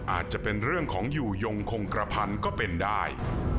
อาจจะเป็นเรื่องของอยู่ยงคงกระพันธุ์ก็เป็นได้